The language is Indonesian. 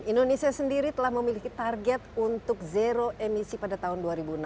indonesia sendiri telah memiliki target untuk zero emisi pada tahun dua ribu enam belas